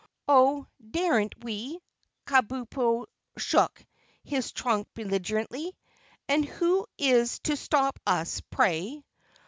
"Oh, daren't we?" Kabumpo shook his trunk belligerently. "And who is to stop us, pray?"